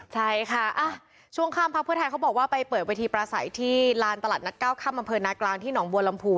ใช่ค่ะช่วงข้ามพักเพื่อไทยเขาบอกว่าไปเปิดเวทีประสัยที่ลานตลาดนัดเก้าค่ำอำเภอนากลางที่หนองบัวลำพู